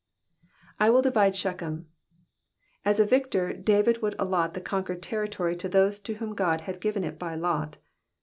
*'i wiU divide Shechem.^'* As a victor David would allot the conquered territory to those to whom God had given it by lot.